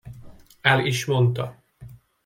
El is mondta.